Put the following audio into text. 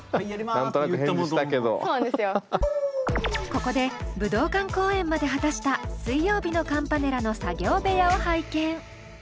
ここで武道館公演まで果たした水曜日のカンパネラの作業部屋を拝見。